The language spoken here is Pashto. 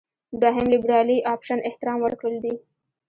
دوهم لېبرالي اپشن احترام ورکړل دي.